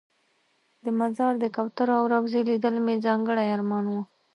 د مزار د کوترو او روضې لیدل مې ځانګړی ارمان و.